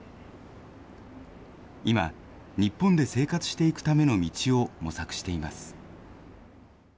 今、日本で生活していくための道を模索しています。